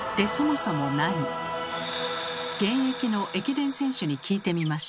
現役の駅伝選手に聞いてみました。